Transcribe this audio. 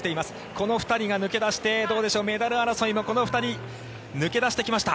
この２人が抜け出してメダル争いもこの２人抜け出してきました。